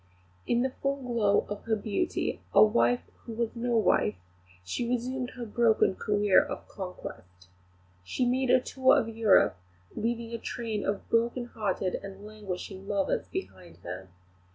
In the full glow of her beauty, a wife who was no wife, she resumed her broken career of conquest. She made a tour of Europe, leaving a train of broken hearted and languishing lovers behind her.